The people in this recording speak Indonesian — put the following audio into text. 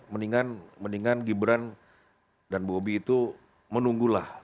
mendingan mendingan gibran dan bobi itu menunggulah